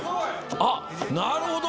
あっなるほど。